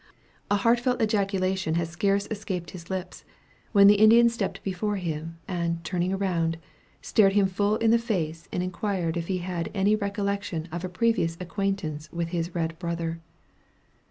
A heartfelt ejaculation had scarce escaped his lips, when the Indian stepped before him, and turning around, stared him full in the face, and inquired if he had any recollection of a previous acquaintance with his red brother.